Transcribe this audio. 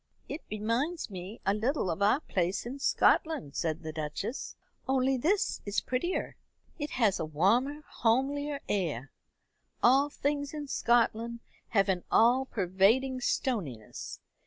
"It reminds me a little of our place in Scotland," said the Duchess, "only this is prettier. It has a warmer homelier air. All things in Scotland have an all pervading stoniness.